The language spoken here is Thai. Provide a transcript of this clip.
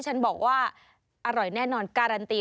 ฉันบอกว่าอร่อยแน่นอนการันตี